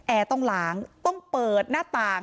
ต้องล้างต้องเปิดหน้าต่าง